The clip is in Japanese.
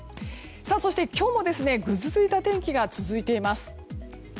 そして、今日もぐずついた天気が続いています。